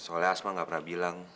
soalnya asma nggak pernah bilang